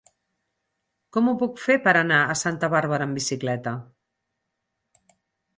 Com ho puc fer per anar a Santa Bàrbara amb bicicleta?